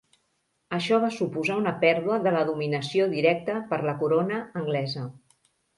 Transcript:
Això va suposar una pèrdua de la dominació directa per la corona anglesa.